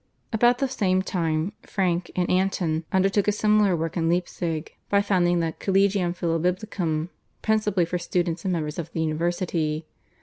About the same time Franke and Anton undertook a similar work in Leipzig by founding the /Collegium Philobiblicum/ principally for students and members of the university.